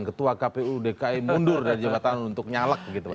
ketua kpu dki mundur dari jabatan untuk nyalek gitu pak